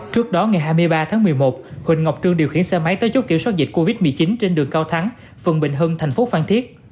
trước đó ngày hai mươi ba tháng một mươi một huỳnh ngọc trương điều khiển xe máy tới chốt kiểm soát dịch covid một mươi chín trên đường cao thắng phường bình hưng thành phố phan thiết